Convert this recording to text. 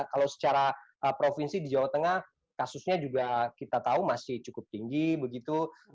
kalau secara provinsi di jawa tengah kasusnya juga kita tahu masih cukup tinggi begitu